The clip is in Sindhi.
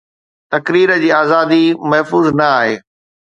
تقرير جي آزادي محفوظ نه آهي.